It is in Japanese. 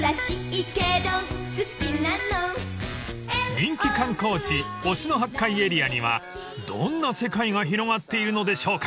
［人気観光地忍野八海エリアにはどんな世界が広がっているのでしょうか？］